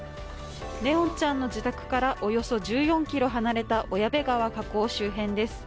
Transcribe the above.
怜音ちゃんの自宅からおよそ１４ｋｍ離れた小矢部川河口周辺です。